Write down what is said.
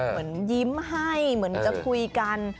เหมือนยิ้มให้เหมือนจะคุยกัน